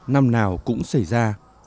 năm nào cũng xảy ra